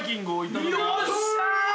よっしゃ！